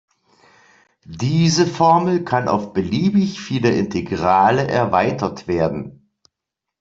Diese Formel kann auf beliebig viele Integrale erweitert werden.